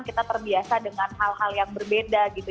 kita terbiasa dengan hal hal yang berbeda gitu